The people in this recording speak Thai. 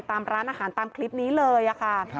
ตามร้านอาหารตามคลิปนี้เลยค่ะ